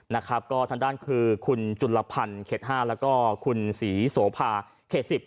นะครับก็ทางด้านคือคุณจุลพันธ์เขต๕แล้วก็คุณศรีโสภาเขต๑๐